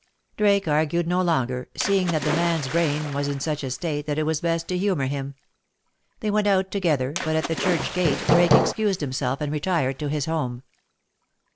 Drake argued no longer, seeing that the man's brain was in such a state that it was best to humor him. They went out together, but at the church gate Drake excused himself and retired to his home.